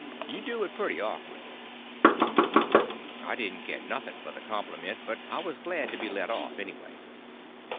You do it pretty awkward." I didn't care nothing for the compliment, but I was glad to be let off, anyway.